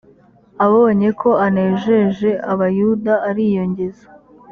abonye ko anejeje abayuda ariyongeza